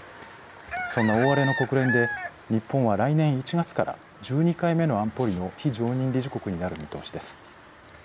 そんな大荒れの国連で日本は来年１月から１２回目の安保理の非常任理事国になる見通しです。